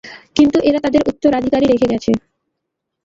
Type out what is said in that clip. কিন্তু এরা তাদের উত্তরাধিকারী রেখে গেছে।